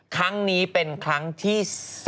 ครั้งนี้เป็นครั้งที่๔